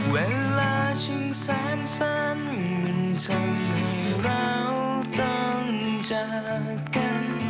เวลาช่างแสนมันทำให้เราต้องจากกัน